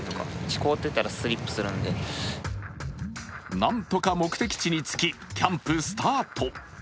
なんとか目的地に着き、キャンプスタート。